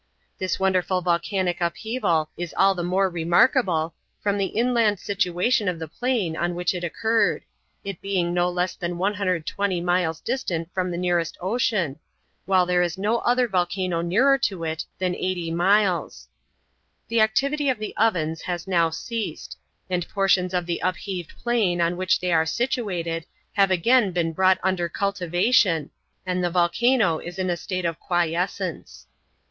This wonderful volcanic upheaval is all the more remarkable, from the inland situation of the plain on which it occurred, it being no less than 120 miles distant from the nearest ocean, while there is no other volcano nearer to it than 80 miles. The activity of the ovens has now ceased, and portions of the upheaved plain on which they are situated have again been brought under cultivation, and the volcano is in a state of quiescence.